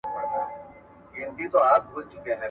که ټکټ وي نو ګډوډي نه راځي.